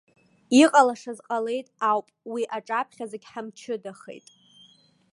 Иҟалашаз ҟалеит ауп, уи аҿаԥхьа зегь ҳамчыдахеит.